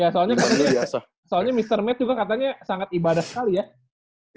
soalnya mr matt juga katanya sangat ibadah sekali ya